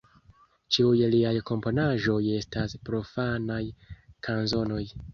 Ĉiuj liaj komponaĵoj estas profanaj kanzonoj.